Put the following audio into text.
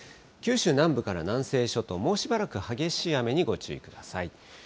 九州南部から南西諸島、もうしばらく激しい雨にご注意ください。